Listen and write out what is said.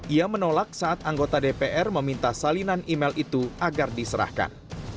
ia menolak saat anggota dpr meminta salinan email itu agar diserahkan